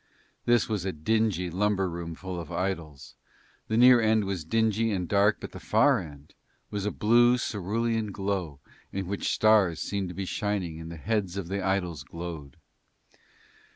This was a dingy lumber room full of idols: the near end was dingy and dark but at the far end was a blue cærulean glow in which stars seemed to be shining and the heads of the idols glowed.